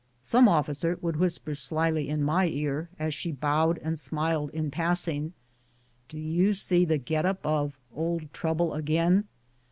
Some officer would whisper slyly in my ear, as she bowed and smiled in passing, "Do you see the get up of *01d Trooble Agin?'"